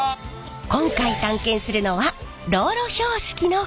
今回探検するのは道路標識の工場。